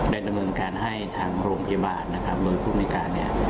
ดังนึงการให้รอบพยาบาลโดยพวกในการ